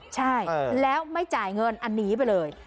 ใช่แล้วไม่จ่ายเงินอันนี้ไปเลย